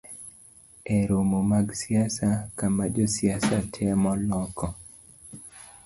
E romo mag siasa, kama josiasa temo loko